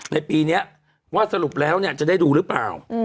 ในปีนี้ว่าสรุปแล้วจะได้ดูหรือเปล่า